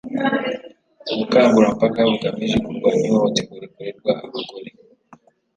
ubukangurambaga bugamije kurwanya ihohoterwa rikorerwa abagore